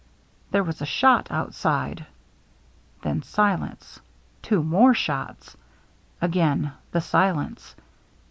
There was a shot outside — then silence — two more shots — again the silence.